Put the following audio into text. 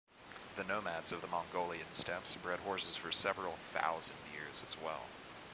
The nomads of the Mongolian steppes bred horses for several thousand years as well.